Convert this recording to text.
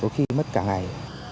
tất cả ngày